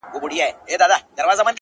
o کنې دا زړه بېړی به مو ډوبېږي,